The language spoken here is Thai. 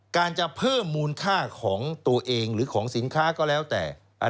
การจะเพิ่มมูลค่าของตัวเองหรือของสินค้าก็แล้วแต่